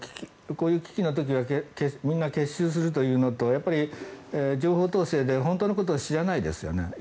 こういう危機の時はみんな結集するというのとやっぱり情報統制で本当のことを知らないですよね。